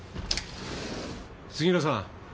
杉浦さん。